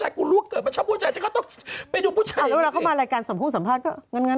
หรือว่าต้องทำต่างที่